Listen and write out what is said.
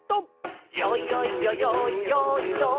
「よいよいよよいよーいドン」